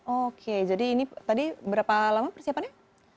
oke jadi ini tadi berapa lama persiapannya